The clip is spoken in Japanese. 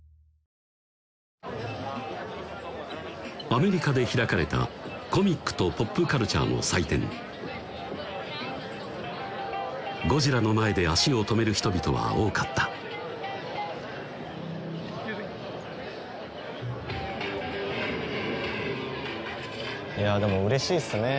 アメリカで開かれたコミックとポップカルチャーの祭典ゴジラの前で足を止める人々は多かったいやでもうれしいっすねぇ